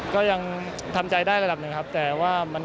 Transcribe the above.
ก็ยังทำใจได้ระดับหนึ่งครับ